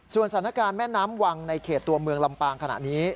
สถานการณ์แม่น้ำวังในเขตตัวเมืองลำปางขณะนี้